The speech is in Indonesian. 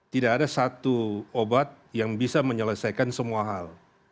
tidak ada satu obat yang bisa menyelesaikan semua hal